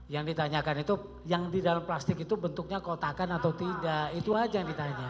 yang ditanyakan itu yang di dalam plastik itu bentuknya kotakan atau tidak itu aja yang ditanya